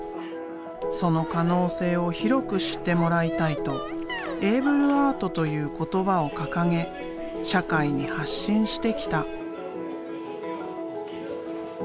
その可能性を広く知ってもらいたいとエイブル・アートという言葉を掲げ社会に発信してきた。